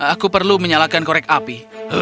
aku perlu menyalakan korek api